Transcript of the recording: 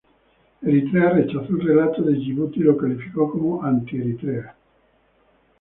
Eritrea rechazó el relato de Yibuti y lo calificó como "anti-Eritrea".